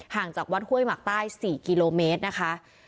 จากวัดห้วยหมักใต้๔กิโลเมตรนะคะ